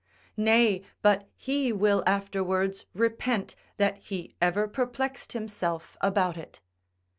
"Nay, but he will afterwards repent that he ever perplexed himself about it."